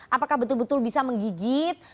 apakah betul betul bisa menggigit